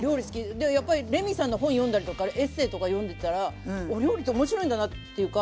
やっぱりレミさんの本読んだりとかエッセーとか読んでたらお料理って面白いんだなっていうか。